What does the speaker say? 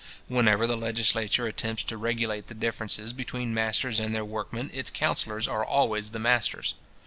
Whenever the legislature attempts to regulate the differences between masters and their workmen, its counsellors are always the masters.